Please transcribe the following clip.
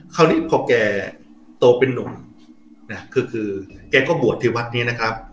คราวนี้พอแกโตเป็นนุ่มนะคือแกก็บวชที่วัดนี้นะครับ